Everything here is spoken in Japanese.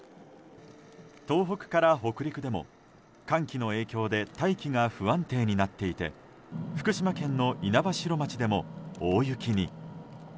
東北から北陸でも寒気の影響で大気が不安定になっていて福島県の猪苗代町でも大雪に。